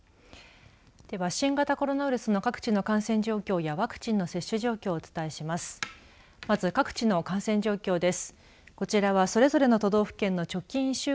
では、新型コロナウイルスの各地の感染状況やワクチンの接種状況をお伝えします。